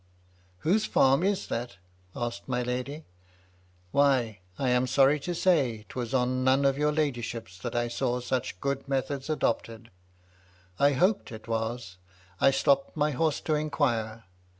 " Whose farm is that?" asked my lady. " Why, I am sorry to say, it was on none of your MY LADY LUDLOW. 279 ladyship's that I saw such good methods adopted. * I hoped it was, I stopped my horse to inquire.